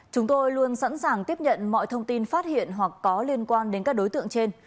chúng tôi luôn sẵn sàng tiếp nhận mọi thông tin phát hiện hoặc có liên quan đến các đối tượng trên